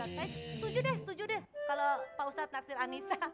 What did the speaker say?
saya setuju deh setuju deh kalau pak ustadz nasir anissa